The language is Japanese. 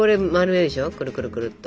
くるくるくるっと。